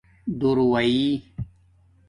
دُور ݸئئ